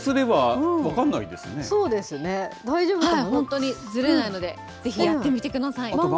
ーほんとうにずれないのでぜひやってみてください。